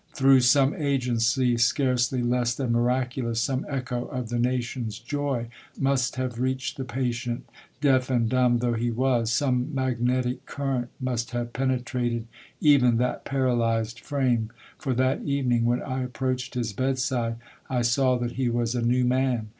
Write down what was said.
Through some agency scarcely less than miraculous, some echo of the nation's joy must have reached the patient, deaf 44 Monday Tales, and dumb though he was, some magnetic current must have penetrated even that paralyzed frame, for that evening, when I approached his bedside, I saw that he was a new man.